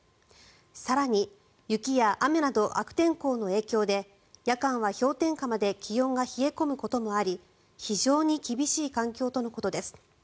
更に、雪や雨など悪天候の影響で夜間は氷点下まで気温が冷え込むこともあり非常に厳しい環境とのことです。